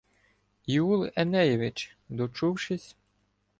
Іул Енеєвич, дочувшись